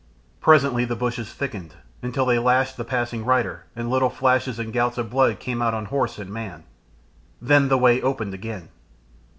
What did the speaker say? Presently the bushes thickened until they lashed the passing rider, and little flashes and gouts of blood came out on horse and man. Then the way opened again.